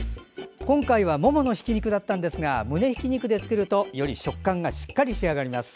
今回はもものひき肉だったんですがむねひき肉で作るとより食感がしっかり仕上がります。